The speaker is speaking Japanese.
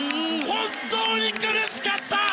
本当に苦しかった！